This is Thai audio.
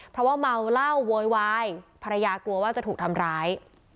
เพราะว่าเมาเหล้าโวยวายภรรยากลัวว่าจะถูกทำร้าย